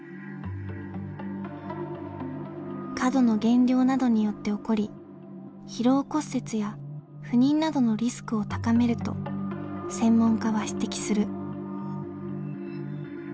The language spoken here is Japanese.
過度の減量などによって起こり疲労骨折や不妊などのリスクを高めると専門家は指摘する。